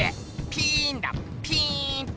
ピーンだピーンって。